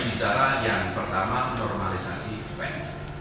bicara yang pertama normalisasi event